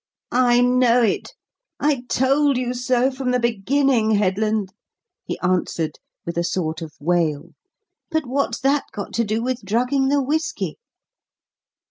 "I know it. I told you so from the beginning, Headland," he answered, with a sort of wail. "But what's that got to do with drugging the whiskey?"